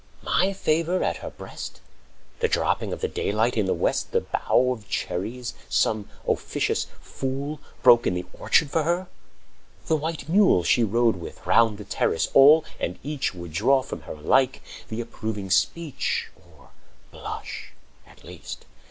My favor at her breast,25 The dropping of the daylight in the West, The bough of cherries some officious fool Broke in the orchard for her, the white mule She rode with round the terrace—all and each Would draw from her alike the approving speech,30 Or blush, at least.